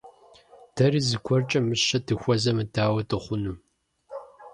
Дэри зыгуэркӀэ мыщэ дыхуэзэмэ, дауэ дыхъуну?